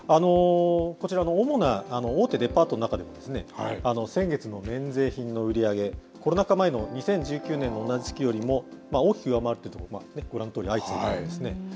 こちらの主な大手デパートの中でも、先月の免税品の売り上げ、コロナ禍前の２０１９年の同じ月よりも、大きく上回るところが、ご覧のとおり、相次いでいますね。